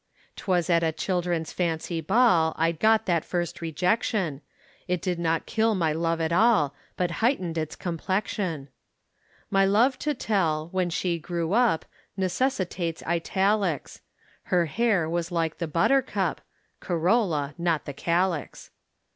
'Twas at a Children's Fancy Ball, I got that first rejection, It did not kill my love at all But heightened its complexion. My love to tell, when she grew up, Necessitates italics. Her hair was like the buttercup (Corolla not the calyx).